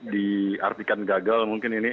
diartikan gagal mungkin ini